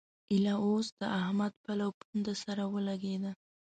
ايله اوس د احمد پل او پونده سره ولګېده.